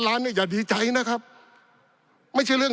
ปี๑เกณฑ์ทหารแสน๒